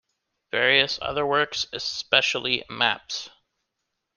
Various other works, especially maps.